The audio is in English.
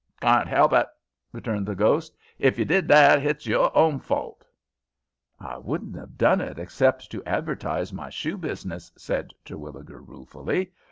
"Carn't 'elp it," returned the ghost. "Hif you did that, hit's your own fault." "I wouldn't have done it, except to advertise my shoe business," said Terwilliger, ruefully.